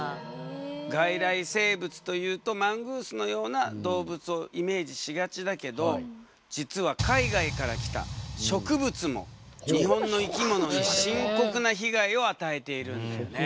外来生物というとマングースのような動物をイメージしがちだけど実は海外から来た植物も日本の生き物に深刻な被害を与えているんだよね。